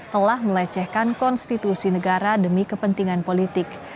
telah melecehkan konstitusi negara demi kepentingan politik